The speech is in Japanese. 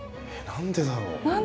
何でだろう。